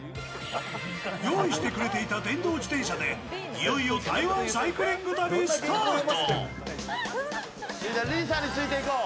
用意してくれていた電動自転車でいよいよ台湾サイクリング旅スタート。